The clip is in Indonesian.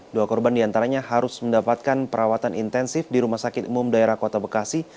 dua korban diantaranya harus mendapatkan perawatan intensif di rumah sakit umum daerah kota bekasi